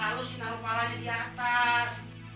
kalus naruh palanya di atas